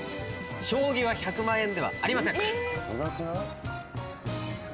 将棋は１００万円ではありません。